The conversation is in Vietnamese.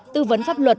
tư vấn pháp luật